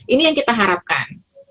ini yang kita harapkan